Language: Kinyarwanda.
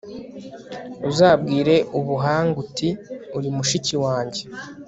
uzabwire ubuhanga, uti uri mushiki wanjye